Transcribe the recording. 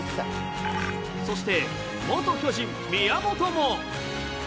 そして元巨人宮本も。